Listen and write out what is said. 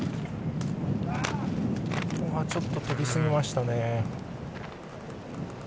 ちょっと、とびすぎました。